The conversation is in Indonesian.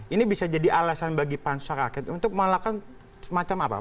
ini bisa jadi alasan bagi pansus hak angket untuk melakukan semacam apa